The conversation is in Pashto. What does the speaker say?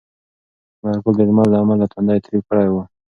ثمر ګل د لمر له امله تندی تریو کړی و.